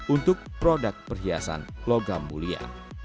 untuk produk perhiasan logam mulia